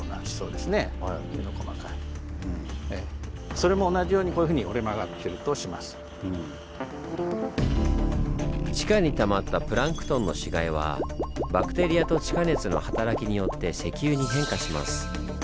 それも同じようにこういうふうに地下にたまったプランクトンの死骸はバクテリアと地下熱の働きによって石油に変化します。